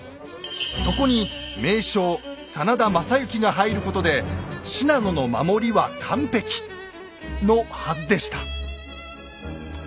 そこに名将・真田昌幸が入ることで信濃の守りは完璧！のはずでした。